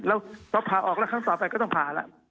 แล้วพอผ่าออกแล้วครั้งต่อไปก็ต้องผ่าแล้ว